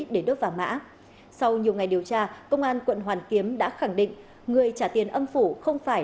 để đốt vàng mã sau nhiều ngày điều tra công an quận hoàn kiếm đã khẳng định người trả tiền âm phủ không phải